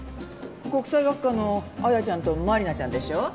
国際学科の亜矢ちゃんと真理奈ちゃんでしょ？